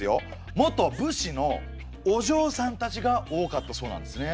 元武士のおじょうさんたちが多かったそうなんですね。